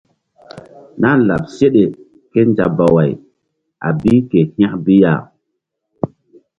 Nah láɓ seɗe kézabaway a bi ke hȩk bi ya.